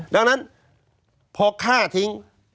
ดังนั้นพอฆ่าทิ้ง